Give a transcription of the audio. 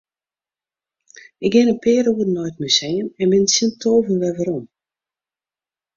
Ik gean in pear oeren nei it museum en bin tsjin tolven wer werom.